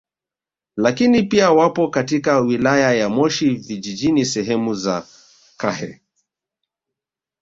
Lakini pia wapo katika wilaya ya Moshi Vijijini sehemu za Kahe